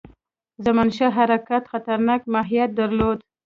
زمانشاه حرکت خطرناک ماهیت درلود.